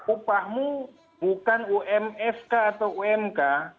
upahmu bukan umsk atau umk